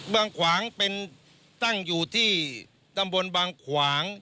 ขวางเป็นตั้งอยู่ที่ตำบลบางขวาง